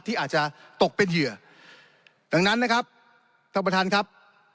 ที่อาจจะตกเป็นเหยื่อดังนั้นนะครับท่านประธานครับ